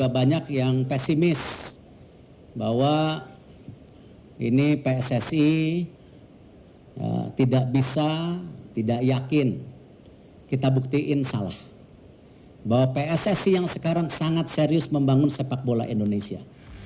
bahwa pssi yang sekarang sangat serius membangun sepak bola indonesia